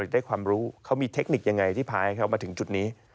ได้ความรู้เขามีเทคนิคยังไงที่พาให้เขามาถึงจุดนี้